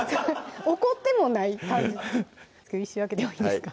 怒ってもない感じ一瞬開けてもいいですか？